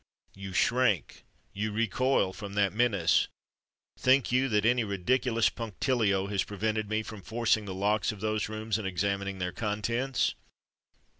you shrink—you recoil from that menace! Think you that any ridiculous punctilio has prevented me from forcing the locks of those rooms and examining their contents?